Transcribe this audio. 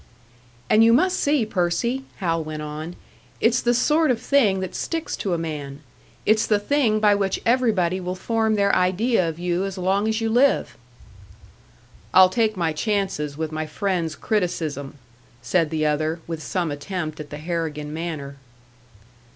"And you must see, Percy," Hal went on, "it's the sort of thing that sticks to a man. It's the thing by which everybody will form their idea of you as long as you live!" "I'll take my chances with my friends' criticism," said the other, with some attempt at the Harrigan manner.